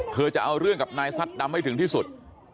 จะเอาเรื่องกับนายซัดดำให้ถึงที่สุด